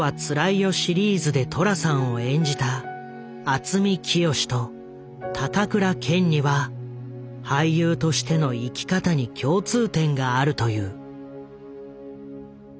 シリーズで寅さんを演じた渥美清と高倉健には俳優としての生き方に共通点があると言う。